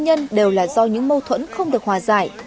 nhân đều là do những mâu thuẫn không được hòa giải